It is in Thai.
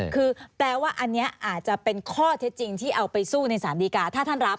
คือแปลว่าอันนี้อาจจะเป็นข้อเท็จจริงที่เอาไปสู้ในสารดีกาถ้าท่านรับ